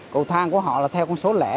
cầu thang của họ là theo con số lẻ